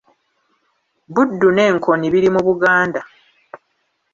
Buddu ne Nkoni biri mu Buganda.